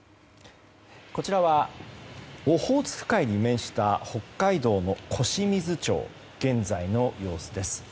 こちらはオホーツク海に面した北海道の小清水町の現在の様子です。